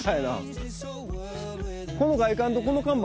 この外観とこの看板